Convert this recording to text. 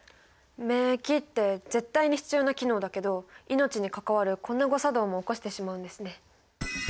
免疫って絶対に必要な機能だけど命に関わるこんな誤作動も起こしてしまうんですね。